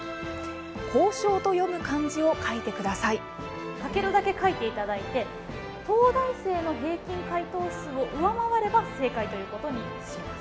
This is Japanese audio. コウショウと読む漢字を書けるだけ書いていただいて東大生の平均解答数を上回れば正解ということにします。